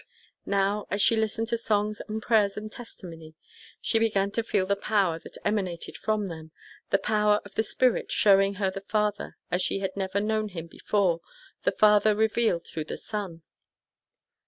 Now, as she listened to songs and prayers and testimony, she began to feel the power that emanated from them, the power of the Spirit, showing her the Father as she had never known him before: the Father revealed through the Son.